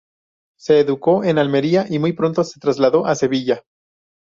Se educó en Almería y muy pronto se trasladó a Sevilla.